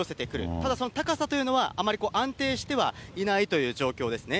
ただ、その高さというのはあまり安定してはいないという状況ですね。